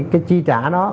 cái chi trả đó